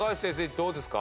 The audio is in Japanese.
どうですか？